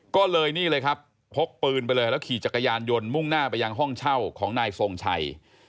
ก็เลยนี่เลยครับพกปืนไปเลยแล้วขี่จักรยานยนต์มุ่งหน้าไปยังห้องเช่าของนายทรงชัย